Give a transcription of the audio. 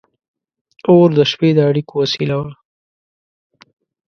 • اور د شپې د اړیکو وسیله وه.